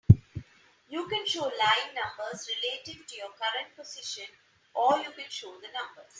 You can show line numbers relative to your current position, or you can show the numbers.